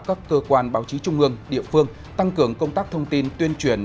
các cơ quan báo chí trung ương địa phương tăng cường công tác thông tin tuyên truyền